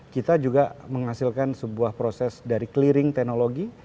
kita juga menghasilkan sebuah proses dari clearing teknologi